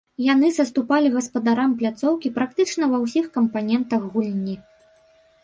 Яны саступалі гаспадарам пляцоўкі практычна ва ўсіх кампанентах гульні.